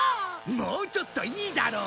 もうちょっといいだろ。